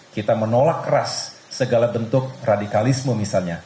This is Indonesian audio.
kita menolak keras segala bentuk radikalisme misalnya